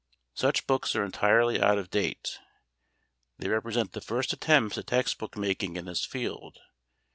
Such books are entirely out of date. They represent the first attempts at textbook making in this field.